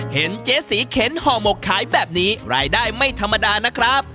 เห็นเจ๊สีเข็นห่อหมกขายแบบนี้รายได้ไม่ธรรมดานะครับ